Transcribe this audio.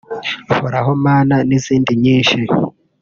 Nkoraho Mana n’izindi nyinshi